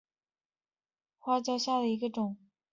毛刺花椒为芸香科花椒属下的一个变种。